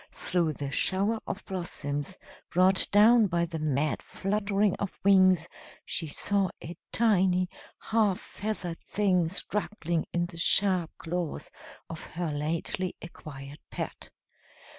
Through the shower of blossoms, brought down by the mad fluttering of wings, she saw a tiny half feathered thing struggling in the sharp claws of her lately acquired pet.